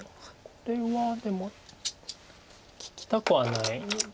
これはでも利きたくはないです。